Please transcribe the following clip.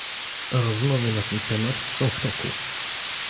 Rozmowy na ten temat są w toku